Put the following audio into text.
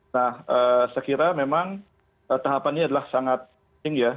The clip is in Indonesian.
nah sekiranya memang tahapannya adalah sangat tinggi ya